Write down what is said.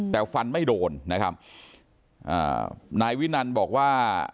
แต่ฟันไม่โดนนะครับอ่านายวินันบอกว่า